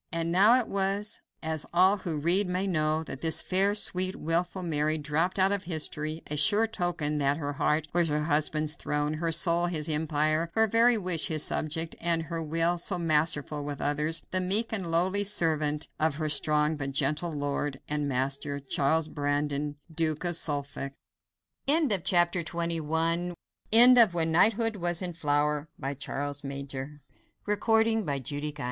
And now it was, as all who read may know, that this fair, sweet, wilful Mary dropped out of history; a sure token that her heart was her husband's throne; her soul his empire; her every wish his subject, and her will, so masterful with others, the meek and lowly servant of her strong but gentle lord and master, Charles Brandon, Duke of Suffolk. Note by the Editor Sir Edwin Caskoden's history differs in some minor details fro